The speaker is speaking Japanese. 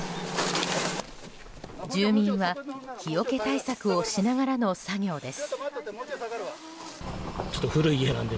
住民は日よけ対策をしながらの作業です。